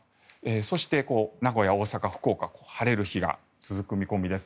そして名古屋、大阪、福岡晴れる日が続く見込みです。